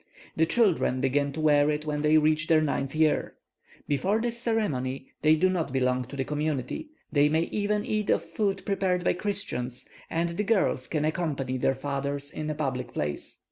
The children begin to wear it when they reach their ninth year. Before this ceremony, they do not belong to the community; they may even eat of food prepared by Christians, and the girls can accompany their fathers in a public place.